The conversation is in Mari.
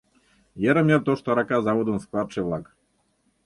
Йырым-йыр тошто арака заводын складше-влак.